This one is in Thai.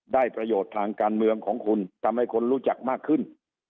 ประโยชน์ทางการเมืองของคุณทำให้คนรู้จักมากขึ้น